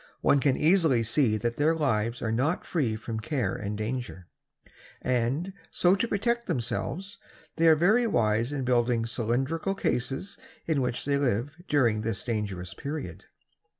One can easily see that their lives are not free from care and danger, and so to protect themselves, they are very wise in building cylindrical cases in which they live during this dangerous period.